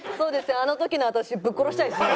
あの時の私ぶっ殺したいですね。